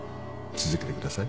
続けてください。